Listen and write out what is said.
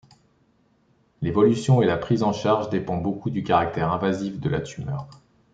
L'évolution et la prise en charge dépend beaucoup du caractère invasif de la tumeur.